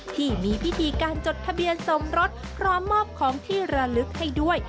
ที่มีพิธีการจดทะเบียนสมรสพร้อมมอบของที่ระลึกให้ด้วย